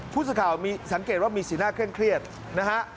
ผู้สาขาสังเกตว่ามีสีหน้าเครื่องเครียดนะฮะ